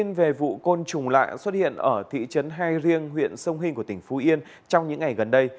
thông tin về vụ côn trùng lạ xuất hiện ở thị trấn hai riêng huyện sông hình của tỉnh phú yên trong những ngày gần đây